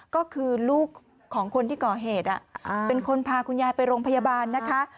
ก็คือลูกของคนที่ก่อเหตุเป็นคนพาคุณยายไปโรงพยาบาลนะคะ